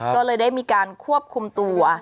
ก็เลยได้มีการควบคุมตัว